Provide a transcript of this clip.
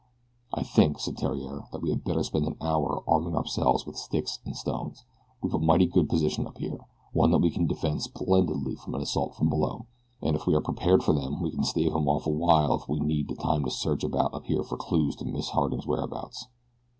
"I think," said Theriere, "that we had better spend an hour arming ourselves with sticks and stones. We've a mighty good position up here. One that we can defend splendidly from an assault from below, and if we are prepared for them we can stave 'em off for a while if we need the time to search about up here for clews to Miss Harding's whereabouts."